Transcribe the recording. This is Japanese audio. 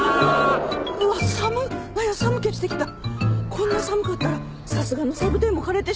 こんな寒かったらさすがのサボテンも枯れてしまうわ。